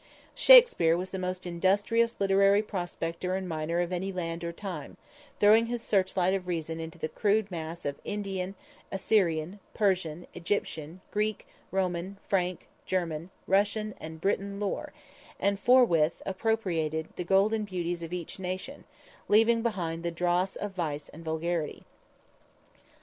Shakspere was the most industrious literary prospector and miner of any land or time, throwing his searchlight of reason into the crude mass of Indian, Assyrian, Persian, Egyptian, Greek, Roman, Frank, German, Russian and Briton lore, and forthwith appropriated the golden beauties of each nation, leaving behind the dross of vice and vulgarity.